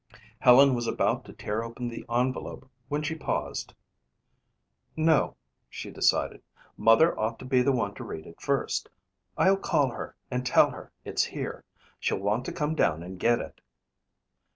Helen was about to tear open the envelope when she paused. "No," she decided. "Mother ought to be the one to read it first. I'll call her and tell her it's here. She'll want to come down and get it."